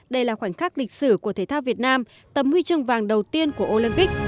đây là khoảnh khắc lịch sử của thể thao việt nam tấm huy chương vàng đầu tiên của olympic